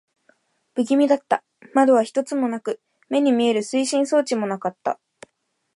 不気味だった。窓は一つもなく、目に見える推進装置もなかった。